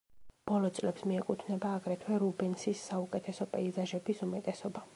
ბოლო წლებს მიეკუთვნება აგრეთვე რუბენსის საუკეთესო პეიზაჟების უმეტესობა.